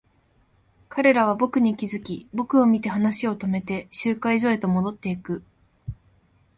彼らは僕に気づき、僕を見て話を止めて、集会所へと戻っていく。